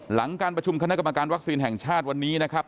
หลังการประชุมคณะกรรมการวัคซีนแห่งชาติวันนี้นะครับ